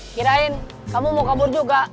kirain kamu mau kabur juga